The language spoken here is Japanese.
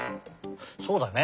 そうだね。